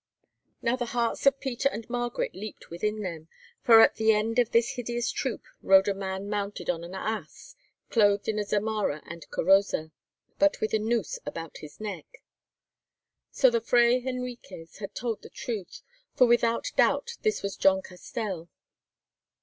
Now the hearts of Peter and Margaret leaped within them, for at the end of this hideous troop rode a man mounted on an ass, clothed in a zamarra and coroza, but with a noose about his neck. So the Fray Henriques had told the truth, for without doubt this was John Castell.